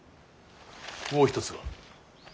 もう一つは。